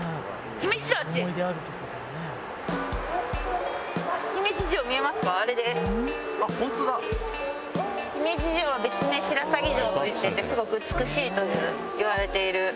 姫路城は別名白鷺城と言っていてすごく美しいといわれている。